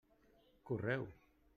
Correu!